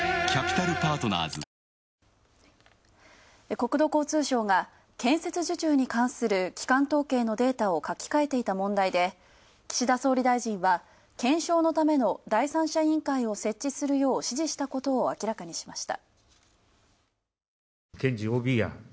国土交通省が、建設受注に関する基幹統計のデータを書き換えていた問題で岸田総理大臣は、検証のための第三者委員会を設置するよう指示したことを明らかにしました。